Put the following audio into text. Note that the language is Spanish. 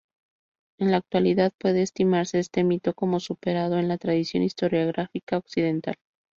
En la actualidad puede estimarse este mito como superado, en la tradición historiográfica occidental.